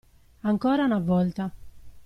Ancora una volta.